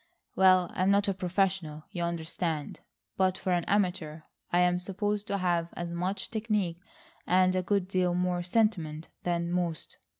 Well, I'm not a professional, you understand, but for an amateur I am supposed to have as much technique and a good deal more sentiment than most."